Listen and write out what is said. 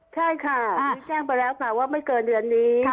ใช่ค่ะมีแจ้งไปแล้วค่ะว่าไม่เกินเดือนนี้